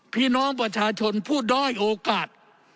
พี่น้องประชาชนผู้ด้อยโอกาส